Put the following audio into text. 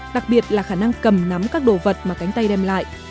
đặc biệt là khả năng cầm nắm các đồ vật mà cánh tay đem lại